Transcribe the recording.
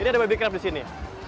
ini ada baby craft di sini